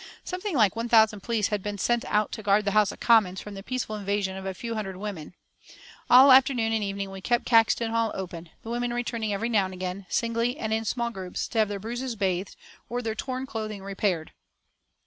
Something like one thousand police had been sent out to guard the House of Commons from the peaceful invasion of a few hundred women. All afternoon and evening we kept Caxton Hall open, the women returning every now and again, singly and in small groups, to have their bruises bathed, or their torn clothing repaired.